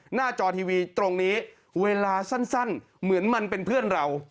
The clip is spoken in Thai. หน้าจอทีวีตรงนี้เวลาสั้นเหมือนมันเป็นเพื่อนเรา